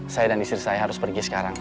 saya dan istri saya harus pergi sekarang